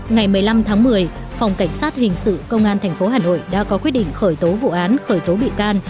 ngày một mươi năm tháng một mươi phòng cảnh sát hình sự công an tp hà nội đã có quyết định khởi tố vụ án khởi tố bị can